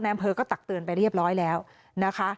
อำเภอก็ตักเตือนไปเรียบร้อยแล้วนะคะ